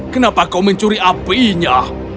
kenapa kau mencuri apinya